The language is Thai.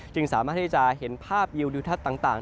สามารถที่จะเห็นภาพวิวดิวทัศน์ต่าง